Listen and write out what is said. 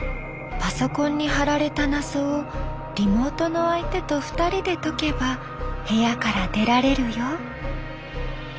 パソコンに貼られた謎をリモートの相手と２人で解けば部屋から出られるよ。